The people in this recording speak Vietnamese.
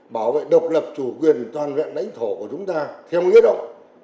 bảo vệ độc lập chủ quyền toàn vẹn đánh thổ của chúng ta theo nghĩa độc